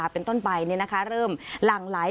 เป็นต้นใบเริ่มหลั่งไหล